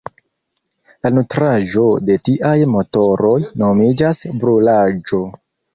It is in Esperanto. La nutraĵo de tiaj motoroj nomiĝas "brulaĵo".